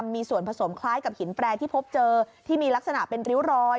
มีส่วนผสมคล้ายกับหินแปรที่พบเจอที่มีลักษณะเป็นริ้วรอย